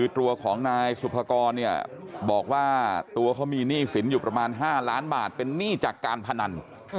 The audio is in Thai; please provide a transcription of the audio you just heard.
ตัวของนายสุภกรบอกว่าตัวเขามีหนี้สินอยู่ประมาณ๕ล้านบาทเป็นหนี้จากการพนัน